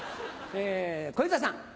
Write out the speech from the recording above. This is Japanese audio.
小遊三さん。